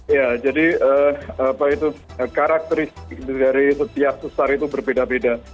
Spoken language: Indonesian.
ya jadi apa itu karakteristik dari setiap susar itu berbeda beda